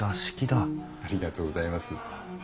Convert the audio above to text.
ありがとうございます。